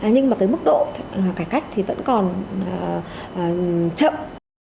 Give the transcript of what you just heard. nhưng mà tới mức độ cải cách thì vẫn còn chậm